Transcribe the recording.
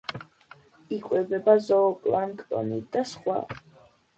იკვებება ზოოპლანქტონით და სხვა.